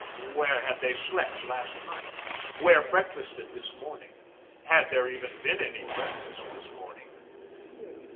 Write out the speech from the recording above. Where had they slept last night? Where breakfasted this morning? Had there even been any breakfast this morning?